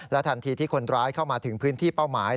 ทันทีที่คนร้ายเข้ามาถึงพื้นที่เป้าหมาย